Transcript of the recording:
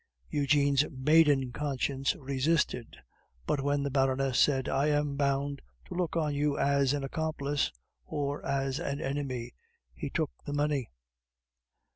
Eugene's maiden conscience resisted; but when the Baroness said, "I am bound to look on you as an accomplice or as an enemy," he took the money.